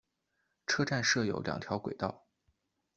车站设有两条轨道。